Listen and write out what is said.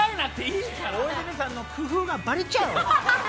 大泉さんの工夫がばれちゃう。